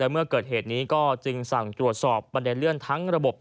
เมื่อเกิดเหตุนี้ก็จึงสั่งตรวจสอบบันไดเลื่อนทั้งระบบ